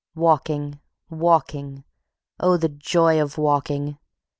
_) Walking, walking, oh, the joy of walking!